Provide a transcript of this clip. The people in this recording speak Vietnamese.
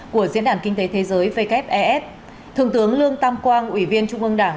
của diễn đàn kinh tế thế giới wef thượng tướng lương tam quang ủy viên trung ương đảng